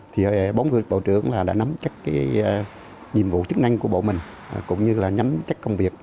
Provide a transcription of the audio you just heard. thì bốn mươi bộ trưởng là đã nắm chắc cái nhiệm vụ chức năng của bộ mình cũng như là nhắm chắc công việc